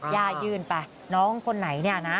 ย่ายื่นไปน้องคนไหนเนี่ยนะ